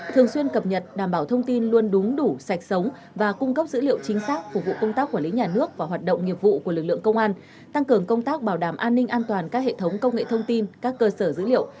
thường xuyên cập nhật đảm bảo thông tin luôn đúng đủ sạch sống và cung cấp dữ liệu chính xác phục vụ công tác quản lý nhà nước và hoạt động nghiệp vụ của lực lượng công an tăng cường công tác bảo đảm an ninh an toàn các hệ thống công nghệ thông tin các cơ sở dữ liệu